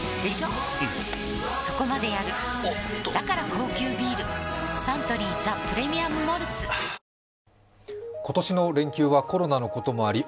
うんそこまでやるおっとだから高級ビールサントリー「ザ・プレミアム・モルツ」はぁー今年の連休はコロナのこともあり